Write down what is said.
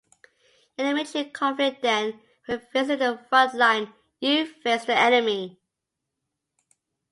In a military conflict, then, when facing the front line, you face the enemy.